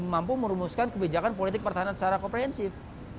tidak bisa mampu merumuskan kebijakan politik pertahanan secara komprehensif